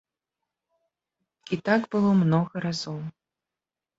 І так было многа разоў.